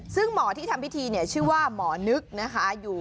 ซึ่งหมอที่ทำพิธีเนี่ยชื่อว่าหมอนึกนะคะ